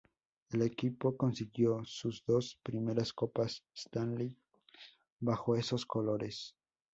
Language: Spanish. El equipo consiguió sus dos primeras Copas Stanley bajo esos colores.